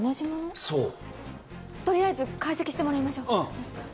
とりあえず解析してもらいましょう。